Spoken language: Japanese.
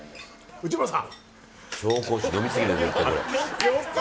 内村さん。